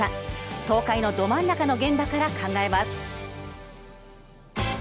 東海のど真ん中の現場から考えます。